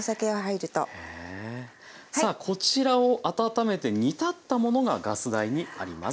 さあこちらを温めて煮立ったものがガス台にあります。